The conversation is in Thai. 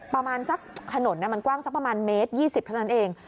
ประมาณสักถนนมันกว้างสักประมาณเมตร๒๐เท่านั้นเอง